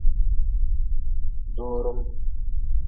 Doorm.